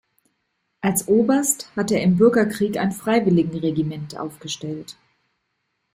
Als Oberst hat er im Bürgerkrieg ein Freiwilligenregiment aufgestellt.